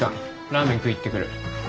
ラーメン食い行ってくる。